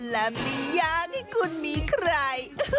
และไม่อยากให้คุณมีใคร